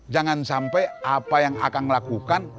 jangan sampai apa yang akang lakukan